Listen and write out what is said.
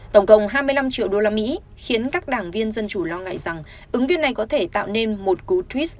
tổng cộng hai mươi năm triệu đô la mỹ khiến các đảng viên dân chủ lo ngại rằng ứng viên này có thể tạo nên một cút